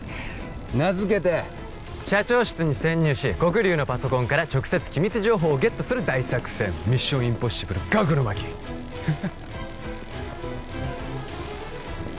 名付けて社長室に潜入し黒龍のパソコンから直接機密情報をゲットする大作戦ミッションインポッシブルガクの巻こんにちは。